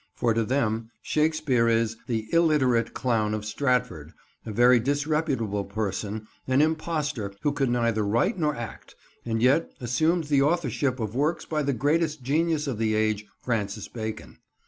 For to them Shakespeare is "the illiterate clown of Stratford"; a very disreputable person; an impostor who could neither write nor act, and yet assumed the authorship of works by the greatest genius of the age, Francis Bacon.